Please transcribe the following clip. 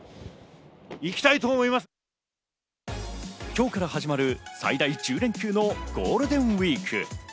今日から始まる最大１０連休のゴールデンウイーク。